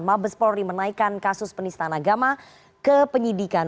mabes polri menaikkan kasus penistaan agama ke penyidikan